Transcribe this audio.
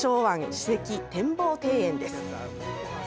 史跡展望庭園です。